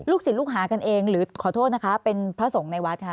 ศิลปลูกหากันเองหรือขอโทษนะคะเป็นพระสงฆ์ในวัดค่ะ